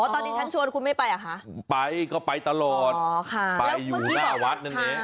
ตอนนี้ฉันชวนคุณไม่ไปเหรอคะไปก็ไปตลอดอ๋อค่ะไปอยู่หน้าวัดนั่นเอง